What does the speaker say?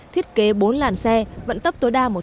thiết kế bốn làn xe vận tốc tối đa